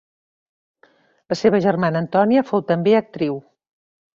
La seva germana Antònia fou també actriu.